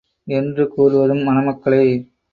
என்று கூறுவதும், மணமக்களை